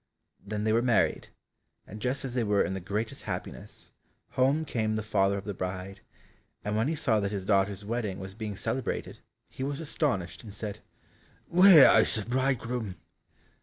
Then they were married, and just as they were in the greatest happiness, home came the father of the bride, and when he saw that his daughter's wedding was being celebrated, he was astonished, and said, "Where is the bridegroom?"